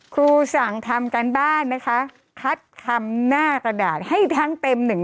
ครูสั่งทำการบ้านนะคะคัดคำหน้ากระดาษให้ทั้งเต็มหนึ่ง